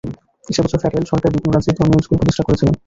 সে বছর ফেডারেল সরকার বিভিন্ন রাজ্যে ধর্মীয় স্কুল গঠন করেছিল।